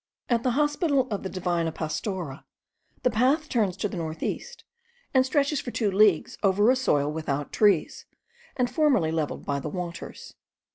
At the hospital of the Divina Pastora the path turns to north east, and stretches for two leagues over a soil without trees, and formerly levelled by the waters.